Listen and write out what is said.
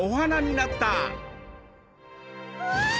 うわ！